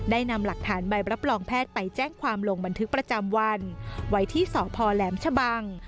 นำหลักฐานใบรับรองแพทย์ไปแจ้งความลงบันทึกประจำวันไว้ที่สพแหลมชะบัง